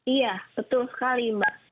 iya betul sekali mbak